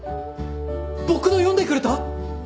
僕の読んでくれた！？